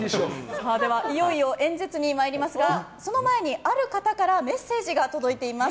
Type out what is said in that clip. いよいよ演説に参りますがその前に、ある方からメッセージが届ています。